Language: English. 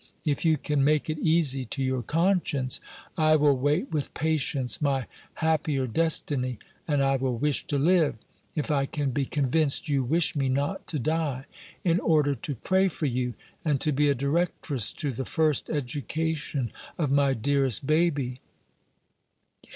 If you can make it easy to your conscience, I will wait with patience my happier destiny; and I will wish to live (if I can be convinced you wish me not to die) in order to pray for you, and to be a directress to the first education of my dearest baby.